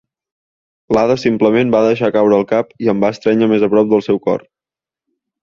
L'Ada simplement va deixar caure el cap i em va estrènyer més a prop del seu cor.